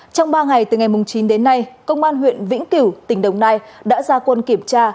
trong ba ngày từ ngày chín đến nay công an huyện vĩnh cửu tỉnh đồng nai đã ra quân kiểm tra